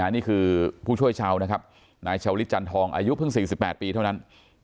นี่คือผู้ช่วยชาวนะครับนายชาวลิศจันทองอายุเพิ่ง๔๘ปีเท่านั้น